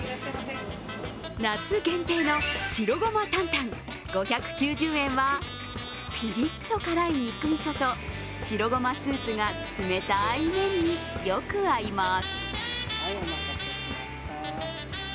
夏限定の白ごま担々、５９０円はピリッと辛い肉みそと白ごまスープが冷たい麺によく合います。